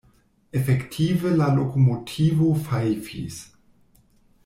Efektive la lokomotivo fajfis.